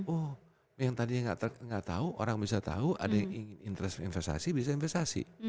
oh yang tadi gak tau orang bisa tau ada yang investasi bisa investasi